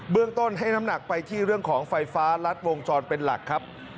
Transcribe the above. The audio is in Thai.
เรื่องต้นให้น้ำหนักไปที่เรื่องของไฟฟ้ารัดวงจรเป็นหลักครับ